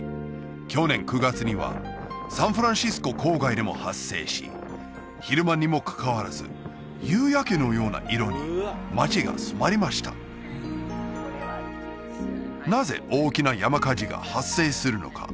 去年９月にはサンフランシスコ郊外でも発生し昼間にもかかわらず夕焼けのような色に街が染まりましたなぜ大きな山火事が発生するのか？